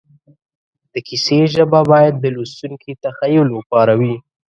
د کیسې ژبه باید د لوستونکي تخیل وپاروي